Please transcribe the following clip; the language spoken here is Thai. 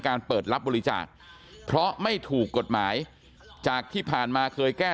เปิดรับบริจาคเพราะไม่ถูกกฎหมายจากที่ผ่านมาเคยแก้